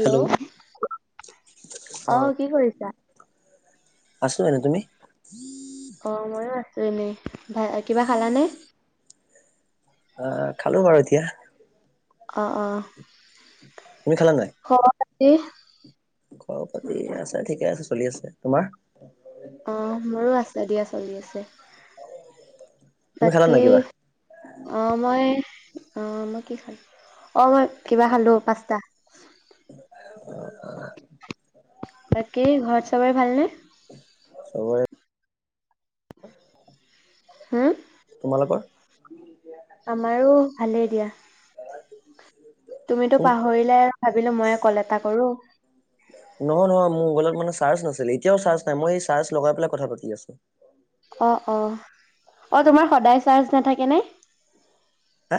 Hello, অ'। কি কৰিছা? আছো এনে, তুমি? অ', মইো আছো এনেই, ভ কিবা খালানে? আহ, খালো বাৰু এতিয়া। অ', অ', তুমি খালা নাই খবৰ খাতি? খবৰ পাতি, আছে ঠিকে আছে, চলি আছে, তোমাৰ? আহ মোৰো আছে দিয়া চলি আছে তুমি খালা বাকী। নাই কিবা অ মই অ মই কি খালো অ মই কিবা খালো পচ্তা। [inaudible] বাকেই ঘৰত চাবৰে ভালনে। চবৰে। হুম। তোমালোকৰ। আমাৰো ভালেই দিয়া। অ। তুমিতো পাহৰিলাই ভাবিলো মই কল এটা কৰো। নহয় নহয় মোৰ মোবাইল মানে চাৰ্জ নাছিল এতিয়াও চাৰ্জ নাই মই চাৰ্জ লগাই পেলাই কথা পাতি আছো। অ অ অ তোমাৰ সদায় চাৰ্জ নাথাকে নে। হা।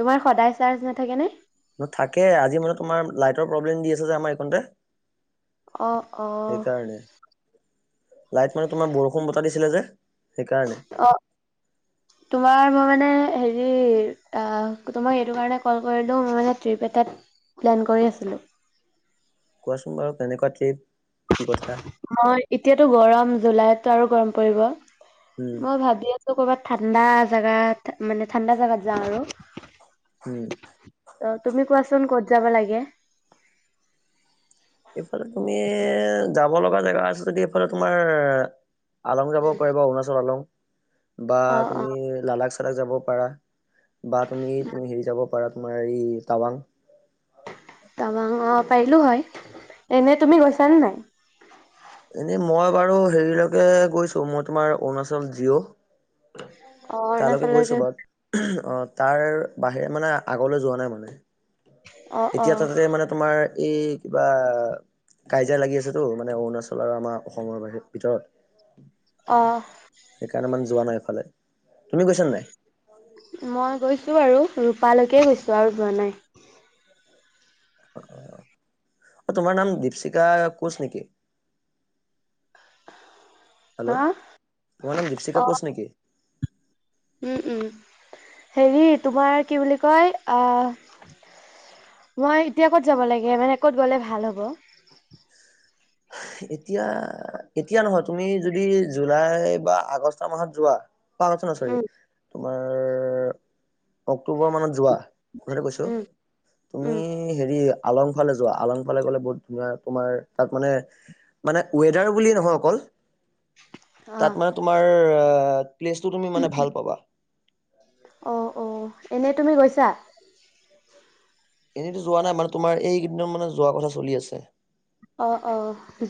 তোমাৰ সদায় চাৰ্জ নাথাকেনে। ন থাকে আজি মানে তোমাৰ লাইটৰ প্ৰব্লেম দি আছে যে আমাৰ এইখনতে। অ অ সেইকাৰণে লাইট মানে তোমাৰ বৰষুণ বতা দিছিলে যে। সেইকাৰণে অ। তোমাৰ মই মানে হেৰি তোমই এইটো কাৰণে কল কৰিলোঁ মই মানে ট্ৰিপ এটাত। প্লেন কৰি আছিলো। কোৱাচোন বাৰু কেনেকুৱা ট্ৰিপ কি কথা। হয় এতিয়াতো গৰম জুলাইতো আৰু গৰম পৰিব উম মই ভাবি আ। ছো কৰ'বাত ঠাণ্ডা জাগাত মানে ঠাণ্ডা জাগাত যাওঁ আৰু। উম। ত তুমি কোৱাচোন ক'ত যাবা লাগে। এইফালে তুমি যাব লগা জেগা আছে যদি এইফালে তোমাৰ। আলং যাব পাৰা বা অৰুণাচল আলং বা অ অ তুমি লাডাখ চাদাক যাব পাৰা। বা তুমি তুমি হেৰি যাব পাৰা তোমাৰ এই টাৱাং। তটাবাং অ পাৰিলো হয় এনে তুমি গৈছানে নাই। এনেই মই বাৰু হেৰিলৈকে গৈছো মই তোমাৰ অৰুণাচল জিঅ'। অ কালকে গৈছো অৰুণাচললৈকে বাৰু। অ তাৰ বাহিৰে মানে আগলৈ যোৱা নাই মানে। অ অ এতিয়া তাতে মানে তোমাৰ এই কিবা। কাজিয়া লাগি আছেতো মানে অৰুণাচল আৰু আমাৰ অসমৰ বাহ ভিতৰত। অঁ। সেইকাৰণে মানে যোৱা নাই এইফালে তুমি গৈছা নে নাই। মই গৈছোঁ বাৰু ৰূপালৈকে গৈছোঁ আৰু যোৱা নাই। [inaudible] অ অ অ তোমাৰ নাম দীপশিকা কোঁচ নেকি। হেল্ল' হা তোমাৰ নাম অ দীপশিকা কৌচ নেকি। উম উম হেৰি তোমাৰ কি বুলি কয় আহ। মই এতিয়া ক'ত যাব লাগে মানে ক'ত গ'লে ভাল হ'ব। এতিয়া এতিয়া নহয় তুমি যদি জুলাই বা আগষ্ট মাহত যোৱা। প আছে ন চৰি উম, তোমাৰ অক্টোবৰ মানত। যোৱা কোনেতে কৈছো। উম, তুমি উম, হেৰি আলংফালে যোৱা আলংফালে। গলে বহুত ধুনীয়া তোমাৰ তাত মানে, মানে ওৱেডাৰ বুলি নহয় অকল অ', তাত মানে তোমাৰ অ প্লেচটো তুমি মানে ভাল পাবা। অ, অ এনেই তুমি গৈছা? এনেইতো যোৱা নাই মানে তোমাৰ এইকেইদিন মানে যোৱাৰ কথা চলি আছে। অ, অ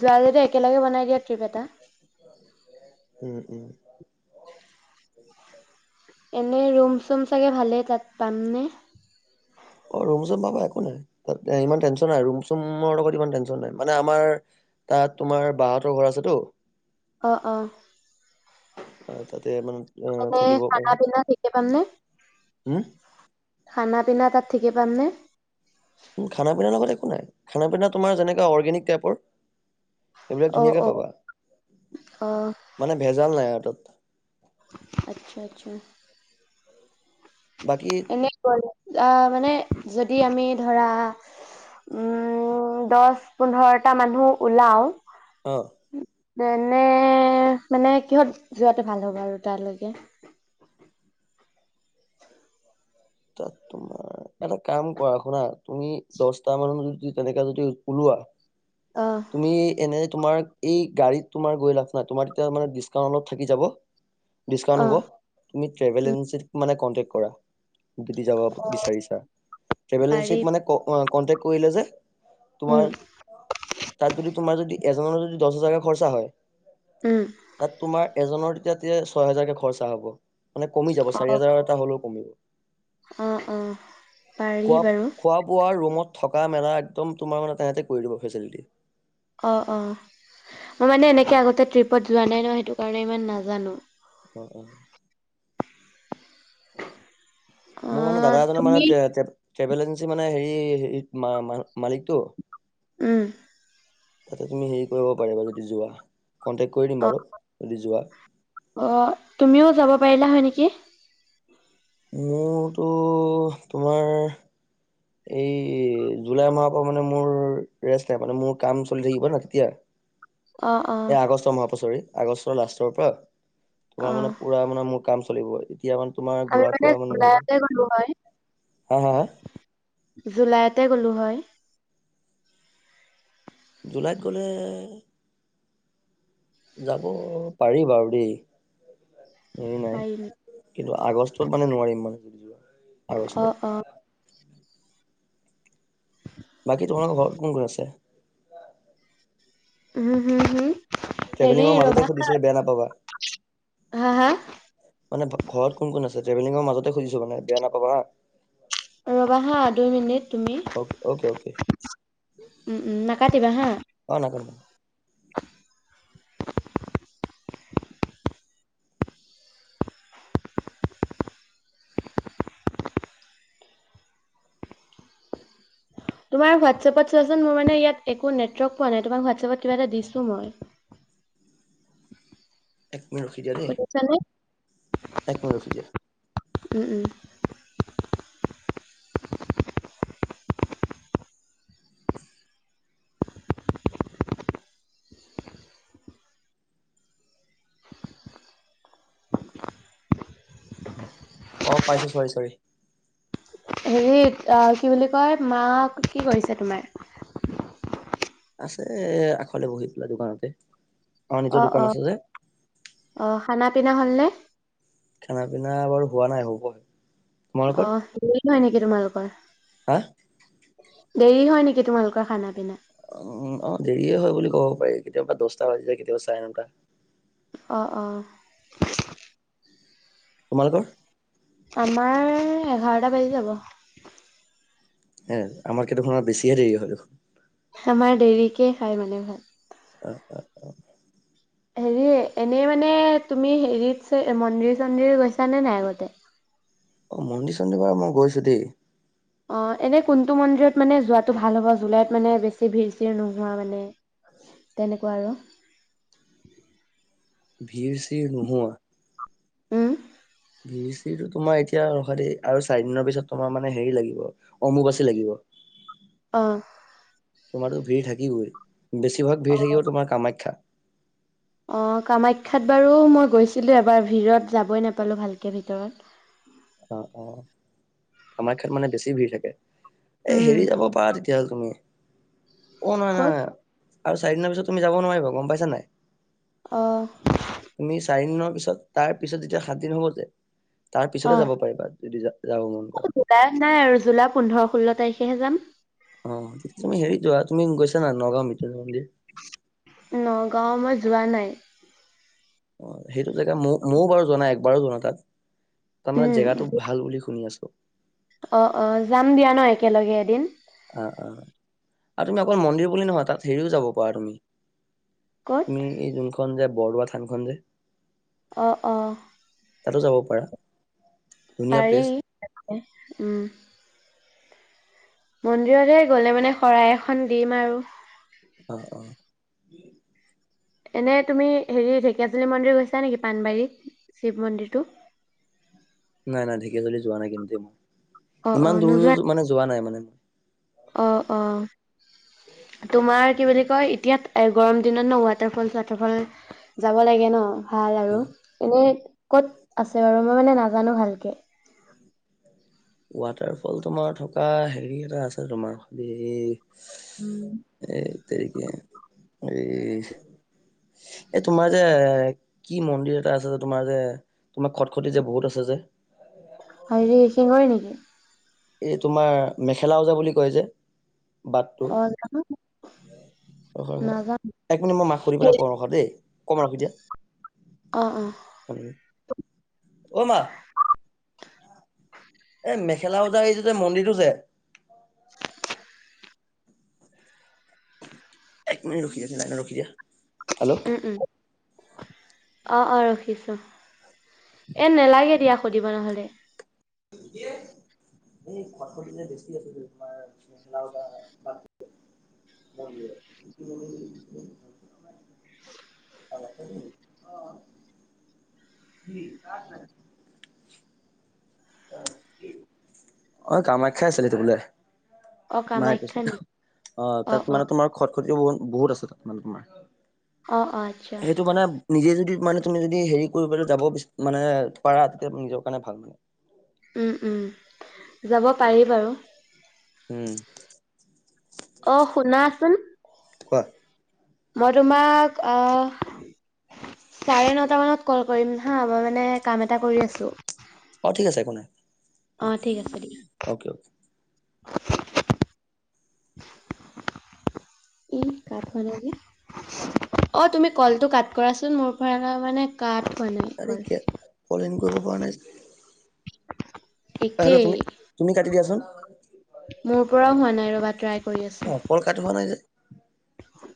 যোৱা যদি একেলগে বনাই দিয়া ট্ৰিপ এটা। উম, উম। [inaudible] এনেই ৰুম চুম চাগে ভালেই তাত পামনে? অ ৰুম চুম পাবা একো নাই তাত ইমান টেনশ্যন নাই ৰুম চুমৰ লগত ইমান টেনশ্যন নাই মানে আমাৰ। তাত তোমাৰ বাহঁতৰ ঘৰ আছেতো। অ, অ। আহ তাতে মানে আহ এনে থাকিব পাৰোঁ। খানা পিনা ঠিকে পামনে? হম। খানা পিনা তাত ঠিকে পামনে? খানা পিনাৰ লগত একো নাই খানা পিনা তোমাৰ যেনেকা অৰ্গেনিক টাইপৰ। সেইবিলাক অ', ধুনীয়াকে অ', পাবা অ', মানে ভেজাল নাই আৰু তাত। আচ্ছা, আচ্ছা। বাকী এনে কৰি আহ মানে যদি আমি ধৰা। উম দহ পোন্ধৰটা মানুহ উলাও। অ'। যেনে মানে কিহত যোৱাটো ভাল হ'ব আৰু তালৈকে? তাত তোমাৰ। এটা কাম কৰা শুনা তুমি দশটা মানত যদি তেনেকা যদি ওলোৱা। অহ। তুমি এনে তোমাৰ এই গাড়ীত তোমাৰ গৈ লাভ নাই তোমাৰ তেতিয়া মানে ডিচকাউণ্ট অলপ থাকি যাব। [inaudible] ডিছকাউণ্ট হ'ব তুমি ট্ৰেভেল উম এজেঞ্চিত মানে কণ্টেক্ট কৰা। যাব বিচাৰিছা ট্ৰেভেল পাৰি এজেঞ্চিক মানে কণ্টেক্ট কৰিলে যে। উম তোমাৰ তাত যদি তোমাৰ যদি এজনৰ যদি দহ হাজাৰকে খৰচা হয়। উম। তাত তোমাৰ এজনৰ তেতিয়া [unintelligible] ছয় হেজাৰকে খৰচা হ'ব। মানে কমি যাব চাৰি হাজাৰ এটা হ'লেও কমিব। অ, অ পাৰি খোৱা বাৰু। খোৱা বোৱা ৰুমত থকা মেলা একদম তোমাৰ মানে তেহাতি কৰি দিব ফেচিলিটি। অ, অ মই মানে এনেকে আগতে ট্ৰিপত যোৱা নাই নহ সেইটো কাৰণে ইমান নাজানো। অ, অ। [inaudible] মোৰ মানে অহ দাদা এজনৰ মানে তুমি ট্ৰেভেল এজেঞ্চি মানে হেৰি মালিকটো। উম। তাতে তুমি হেৰি কৰিব পাৰিবা যদি যোৱা কন্টেক্ট কৰি দিম বাৰু যদি যোৱা। অ তুমিও যাব পাৰিলা হয় নেকি। মোৰতো তোমাৰ। [unintelligible] এই। জুলাই মাহৰ পৰা মানে মোৰ ৰেষ্ট নাই মানে মোৰ কাম চলি থাকিব নহ তেতিয়া। অহ অহ এ আগষ্টৰ মাহৰ পৰা চ'ৰি আগষ্ট লাষ্টৰ পৰা পৰা অহ তোমাৰ মানে পুৰা মানে মোৰ কাম চলিব এতিয়া মানে তোমাৰ আমি ঘূৰা ফুৰা মানে নহ'ব। জুলাইতে গ'লো হয় হা, হা, হা। জুলাইতে গ'লো হয়। জুলাইত গ'লে যাব পাৰি বাৰু দেই। হেৰি নাই পাই নি কিন্তু আগষ্টত মানে নোৱাৰিম মানে যদি যোৱা অহ আগষ্টত। অহ বাকী তোমালোকৰ ঘৰত কোন কোন আছে? উম হম হম হেৰি ট্ৰেভেলিঙৰ মাজতে ৰ'বা সুধিছে বেয়া নাপাবা হা, হা। মানে ঘৰত কোন কোন আছে টেভেলিঙৰ মাজতে সুধিছোঁ মানে বেয়া নাপাবা হা। ৰ'বা হা দুই মিনিট। তুমি অ'কে অ'কে উম, উম, নাকাটিবা হা। অ নাকাটো। তোমাৰ হোৱাটছআপত চোৱাচোন মোৰ মানে ইয়াত একো নেটৱৰ্ক পোৱা নাই তোমাক হোৱাটছআপত কিবা এটা দিচো মই। একমিনিত ৰখি দিয়া দেই। শুনিছানে? এক মিনিট ৰখি দিয়া। উম, উম। অ' পাইছোঁ চ'ৰি চ'ৰি। হেৰি কি বুলি কয় মাক কি কৰিছে তোমাৰ? আছে আগফালে বহি পেলাই দোকানতে। আমাৰ নিজৰ অ' দোকান আছে অ' যে অ' খানা পিনা হ'ল নে? খানা পিনা বাৰু হোৱা নাই হ'ব হে। অ' দেৰি হয় নেকি তোমালোকৰ? হা দেৰি হয় নেকি তোমালোকৰ খানা পিনা? উ উম অ' দেৰিয়ে হয় বুলি ক'ব পাৰি কেতিয়াবা দচটা বাজি যায় কেতিয়াবা চাৰে নটা। অ' অ'। তোমালোকৰ? আমাৰ এঘাৰটা বাজি যাব। এ আমাতকে দেখোন বেছিহে দেৰি হয় দেখোন। আমাৰ দেৰিকে খাই মানে ভাত। অ' অ'। হেৰি এনেই মানে তুমি হেৰিত মন্দিৰ চন্দিৰ গৈছানে নাই আগতে? অ' মন্দিৰ চন্দিৰ বাৰু মই গৈছোঁ দেই। অ' এনে কোনটো মন্দিৰত মানে যোৱাটো ভাল হ'ব জুলাইত মানে বেছি ভিৰ চিৰ নোহোৱা মানে। তেনেকুৱা আৰু। ভিৰ চিৰ নোহোৱা। উম ভি চৰিটো তোমাৰ এতিয়া ৰসা দেই আৰু চাৰি দিনৰ পিছত তোমাৰ মানে হেৰি লাগিব অম্বুবাচী লাগিব। অ'। তোমাৰো ভিৰ থাকিবই, বেছিভাগ ভিৰ থাকিব তোমাৰ কামাখ্যা। অঁ কামাখ্যাত বাৰু মই গৈছিলোঁ এবাৰ ভিৰত যাবই নাপালোঁ ভালকৈ ভিতৰত। অ' অ'। কামাখ্যাত মানে বেছি ভিৰ থাকে এ উম হেৰি যাব পাৰা তেতিয়াহ'লে তুমি অ' নহয় ক'ত নহয় আৰু চাৰিদিনৰ পিছত তুমি যাব নোৱাৰিবা গম পাইছা নাই? অ'। তুমি চাৰিদিনৰ পিছত তাৰ পিছত যেতিয়া সাত দিন হ'ব যে তাৰ পিছত যাব পা পাৰিবা, যদি যাব মন লাভ নাই আৰু জুলাই পোন্ধৰ ষোল্ল তাৰিখেহে যাম। অহ, তেতিয়া তুমি হেৰি যোৱা, তুমি গৈছানে নাই নগাঁও মৃত্যুনজ্ঞয় মন্দিৰ? নগাঁও মই যোৱা নাই। অহ, সেইটো জেগা ম-মইয়ো বাৰু যোৱা নাই, একবাৰো যোৱা নাই তাত। তাৰমানে উম জেগাটো ভাল বুলি শুনি আছোঁ। অহ', অহ' যাম দিয়া ন' একেলগে এদিন। অহ', অহ'। আৰু তুমি অকল মন্দিৰ বুলি নহয়, তাত হেৰিও যাব পাৰা তুমি। ক'ত তুমি এই যোনখন যে বৰদোৱা থানখন যে। অহ', অহ'। তাতো যাব পাৰা। ধুনীয়া পাৰি, প্লেচ উম। মন্দিৰলে গ'লে মানে শৰাই এখন দিম আৰু। অহ', অহ'। এনেই তুমি হেৰি ঢেকীয়াজুলি মন্দিৰ গৈছা নেকি পাণবাৰী শিৱ মন্দিৰটো? নাই নাই ঢেকীয়াজুলি যোৱা নাই কিন্তু মই। অ', অ', ইমান দূৰ মানে যোৱা নাই মানে। অহ', অহ' তোমাৰ কি বুলি কি বুলি কয় এতিয়াত গৰম দিনত ন' ৱাটাৰফল-চোৱাটাৰফল যাব লাগে ন' ভাল আৰু। এনেি ক'ত আছে বাৰু মই মানে নাজানোঁ ভালকে। ৱাটাৰফল তোমাৰ থকা হেৰি এটা আছে তোমাৰ এই উম। এই তেৰিকে এই এ তোমাৰ যে, কি মন্দিৰ এটা আছে যে তোমাৰ যে তোমাৰ খট খটি যে বহুত আছে যে। হেৰি শিঙৰি নেকি? এই তোমাৰ মেখেলা ওজা বুলি কয় যে। বাটটো অহ, জানো। অহ, হ' হ' নাজানো এক মিনিট মই মাক সুধি পেলাই কওঁ ৰখা দেই, অকমান ৰখি দিয়া। অহ', অহ'। অহ, মা! এ মেখেলা ওজাৰিটো যে মন্দিৰটো যে একমিনিট ৰখি দিয়াচোন, লাইনত ৰখি দিয়া। হেল্ল' উম', উম'। অহ', অহ' ৰখিছো। এ নেলাগে দিয়া সুধিব নহ'লে। কি? এই খট খটি যে বেছি আছে যে তোমাৰ। মেখেলা ওজোৱা নামটো কি আছিল? [unintelligible] [unintelligible] অহ, কি কাক লাগে? অহ, কামাখ্যা আছিলে এইটো বোলে। অ', মায়ে কৈছে কামাখ্যা নেকি? অহ, তাত অ', অ', মানে তোমাৰ খট খটিও ব-বহুত আছে তাত মানে তোমাৰ। অ', অ', আচ্ছা সেইটো মানে নিজে যদি মানে তুমি যদি হেৰি কৰি পেলাই যাব বি মানে পাৰা, তেতিয়া নিজৰ কাৰণে ভাল বোলে। উম', উম' যাব পাৰি বাৰু। উম। অহ, শুনাচোন। কোৱা মই তোমাক অহ চাৰে নটা মানত কল কৰিম হা, মই মানে কাম এটা কৰি আছোঁ। অ', ঠিক আছে একো নাই, অ', ঠিক আছে দিয়া। Okay, okay. [inaudible] ই কাট হোৱা নাই যে, অ', তুমি কলটো কাট কৰাচোন, মোৰ পৰা মানে কাট হোৱা নাই কল। কলইন কৰিব পৰা নাই যে? হেল্ল', একেই তুমি, তুমি কাটি দিয়াচোন। মোৰ পৰাও হোৱা নাই, ৰ'বা ট্ৰাই কৰি অ আছোঁ। কল কাট হোৱা নাই যে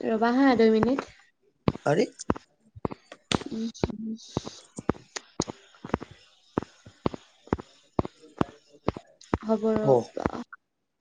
ৰবা হা, দুই মিনিট। আৰে। উহ উম। [inaudible] হ'ব অ ৰ'।